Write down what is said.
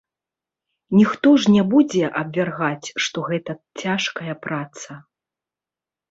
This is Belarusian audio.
Ніхто ж не будзе абвяргаць, што гэта цяжкая праца.